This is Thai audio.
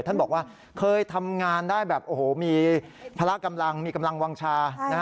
ท่านบอกว่าเคยทำงานได้แบบโอ้โหมีพละกำลังมีกำลังวางชา